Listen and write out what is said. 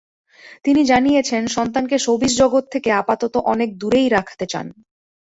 তিনি জানিয়েছেন, সন্তানকে শোবিজ জগৎ থেকে আপাতত অনেক দূরেই রাখতে চান।